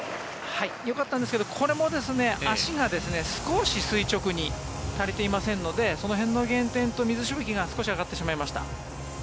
よかったんですけどこれも足が少し垂直に足りていませんのでその辺の減点と水しぶきが少し上がってしまいました。